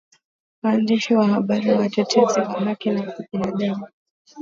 Waandishi wa habari watetezi wa haki za binadamu